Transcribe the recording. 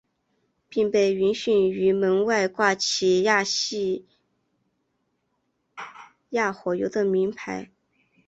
并被允许于门外挂起亚细亚火油的铭牌。